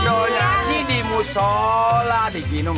siap doyasi di musyola di kinung